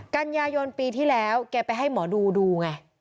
กันยายนปีที่แล้วแกไปให้หมอดูดูไง